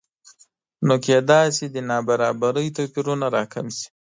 نو کېدای شي د نابرابرۍ توپیرونه راکم شي